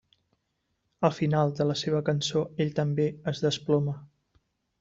Al final de la seva cançó, ell també es desploma.